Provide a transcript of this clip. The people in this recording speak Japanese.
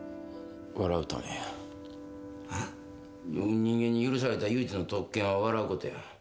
人間に許された唯一の特権は笑うことや。